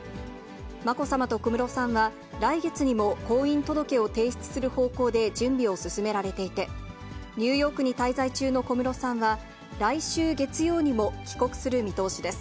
まこさまと小室さんは、来月にも婚姻届を提出する方向で準備を進められていて、ニューヨークに滞在中の小室さんは、来週月曜にも帰国する見通しです。